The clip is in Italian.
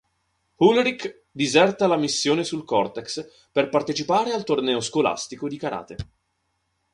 Ulrich diserta la missione sul Cortex per partecipare al torneo scolastico di karate.